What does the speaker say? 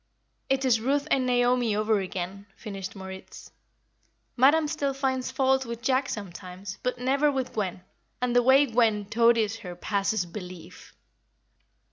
"It is Ruth and Naomi over again," finished Moritz. "Madam still finds fault with Jack sometimes, but never with Gwen, and the way Gwen toadies her passes belief."